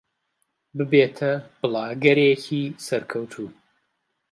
ببێتە بڵاگەرێکی سەرکەوتوو.